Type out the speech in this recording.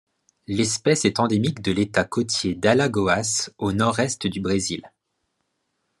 L'espèce est endémique de l'État côtier d'Alagoas au nord-est du Brésil.